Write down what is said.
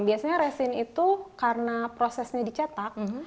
biasanya resin itu karena prosesnya dicetak